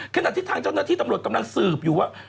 ขณะที่ทางเจ้าหน้าที่ตำรวจกำลังสืบอยู่ว่า